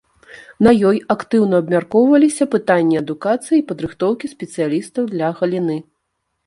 На ёй актыўна абмяркоўваліся пытанні адукацыі і падрыхтоўкі спецыялістаў для галіны.